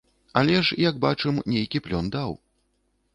Але ж, як бачым, нейкі плён даў.